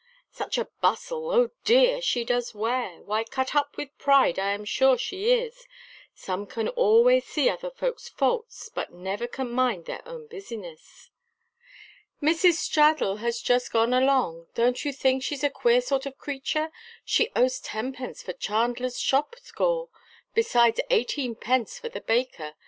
Such a bustle, oh! dear, she does wear, Why cut up with pride I am sure she is, Some can always see other folks' faults, But they never can mind their own business Mrs Stradle has just gone along, Don't you think she's a queer sort of creature She owes tenpence for chandler's shop score, Besides eighteen pence for the baker.